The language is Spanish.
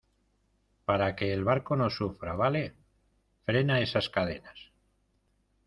para que el barco no sufra. vale . frena esas cadenas .